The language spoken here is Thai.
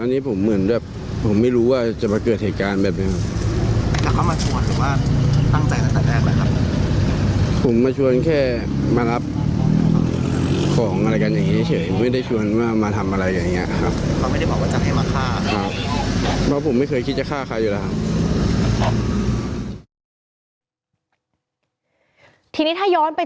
ทีนี้ถ้าย้อนไปจุดแรกนะครับ